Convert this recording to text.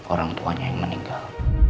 orang tuanya yang meninggal